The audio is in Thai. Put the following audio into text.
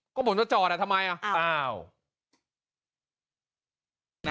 ก็มันจะจอดหน่ะทำไมน่ะ